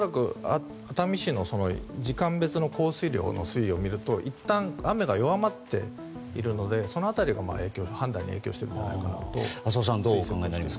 熱海市の時間ごとの降水量を見るといったん雨が弱まっているのでその辺りが判断に影響したんじゃないかと推測します。